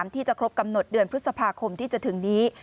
ที่จะครบกำหนดเดือนพฤษภาคมที่จะถึงนี้